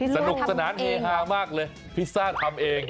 สนุกสนานเฮฮามากเลยพิซซ่าทำเอง